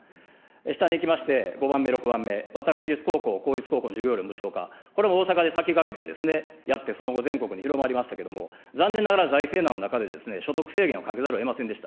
下にいきまして、５番目、６番目、私立高校、公立高校の授業料無償化、これも大阪で先駆けてやって、その後全国に広まりましたけれども、残念ながら財政難の中で、所得制限をかけざるをえませんでした。